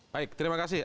baik terima kasih